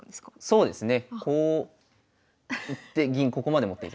そうですね。